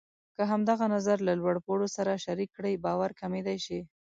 که همدغه نظر له لوړ پوړو سره شریک کړئ، باور کمېدای شي.